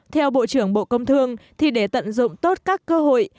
theo bộ trưởng bộ công thương thì để tận dụng tốt các cơ hội